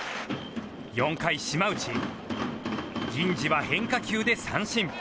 ４回、島内、銀次は変化球で三振。